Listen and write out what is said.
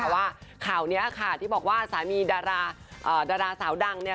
ว่าข่าวที่บอกว่าสามีดาราสาวดัง